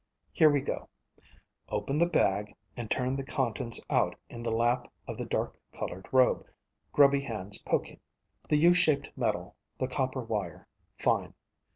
Here we go. Open the bag, and turn the contents out in the lap of the dark colored robe, grubby hands poking._ _The U shaped metal, the copper wire, fine.